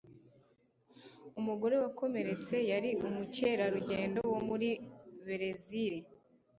Umugore wakomeretse yari umukerarugendo wo muri Berezile.